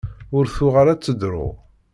Ur tuɣal ad teḍṛu!